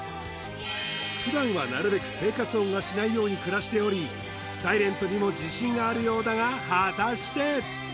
普段はなるべく生活音がしないように暮らしておりサイレントにも自信があるようだが果たして？